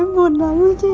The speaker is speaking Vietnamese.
em buồn lắm chị